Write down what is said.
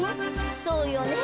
そうよね。